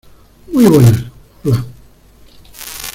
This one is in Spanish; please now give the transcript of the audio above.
muy buenas. hola .